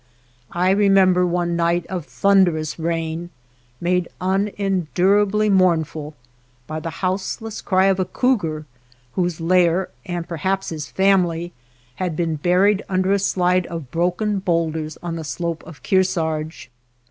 I remember one night of thunderous rain made unendurably mournful by the house less cry of a cougar whose lair, and perhaps his family, had been buried under a slide of broken boulders on the slope of Kearsarge.